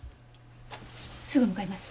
すぐ向かいます。